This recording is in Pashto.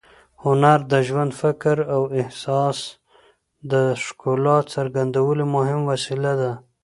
هنر د ژوند، فکر او احساس د ښکلا څرګندولو مهم وسیله ده.